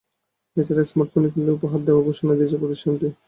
এ ছাড়া স্মার্টফোন কিনলে উপহার দেওয়ার ঘোষণা দিয়েছে প্রতিষ্ঠানটি।